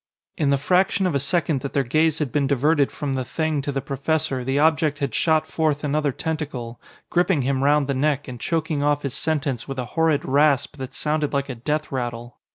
In the fraction of a second that their gaze had been diverted from the Thing to the professor, the object had shot forth another tentacle, gripping him round the neck and choking off his sentence with a horrid rasp that sounded like a death rattle.